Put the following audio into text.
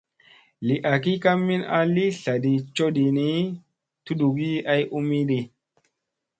Li agi ka min a li tlaɗi coɗii ni, tuɗgi ay umiɗi.